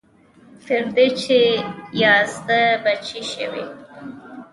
تر دې چې یازده بجې شوې.